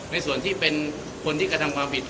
ในส่วนที่เป็นคนที่กระทำความผิด